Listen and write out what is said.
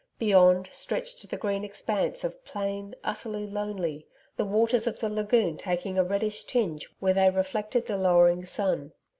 Beyond, stretched the green expanse of plain, utterly lonely, the waters of the lagoon taking a reddish tinge where they reflected the lowering sun.